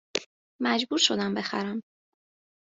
مجبور شدم بخرم